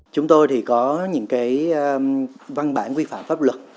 chúng tôi thì có những cái văn bản quy phạm pháp luật